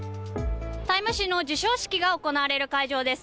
「タイム」誌の授賞式が行われる会場です。